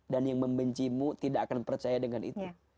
dan yang membencimu tidak akan percaya dengan itu